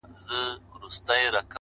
که هر څو نجوني ږغېږي چي لونګ یم”